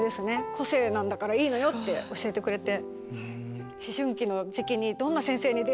個性なんだからいいのよ！って教えてくれて。